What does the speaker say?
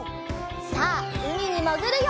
さあうみにもぐるよ！